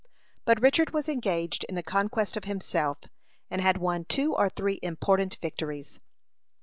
But Richard was engaged in the conquest of himself, and had won two or three important victories.